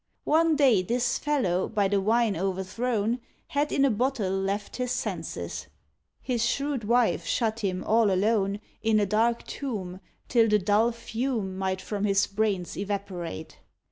One day this fellow, by the wine o'erthrown, Had in a bottle left his senses; His shrewd wife shut him all alone In a dark tomb, till the dull fume Might from his brains evaporate.